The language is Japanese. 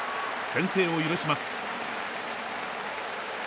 先制を許します。